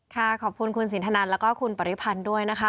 ขอบคุณคุณสินทนันแล้วก็คุณปริพันธ์ด้วยนะคะ